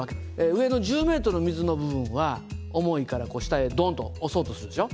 上の１０ｍの水の部分は重いからこう下へドンと押そうとするでしょ。